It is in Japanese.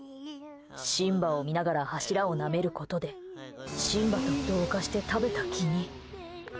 シンバを見ながら柱をなめることでシンバと同化して食べた気に。